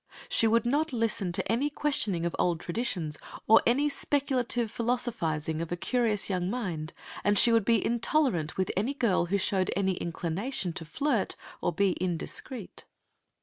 She would not listen to any questioning of old traditions, or any speculative philosophizing of a curious young mind, and she would be intolerant with any girl who showed an inclination to flirt or be indiscreet.